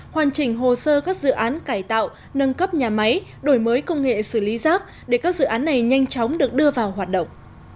hoàn chỉnh hồ sơ các dự án cải tạo nâng cấp nhà máy đổi mới công nghệ xử lý rác để các dự án này nhanh chóng được đưa vào hoạt động